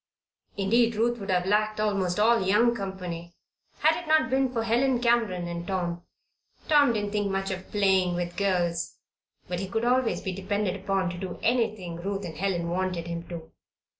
Indeed, Ruth would have lacked almost all young company had it not been for Helen Cameron and Tom. Tom didn't think much of "playing with girls;" but he could always be depended upon to do anything Ruth and Helen wanted him to.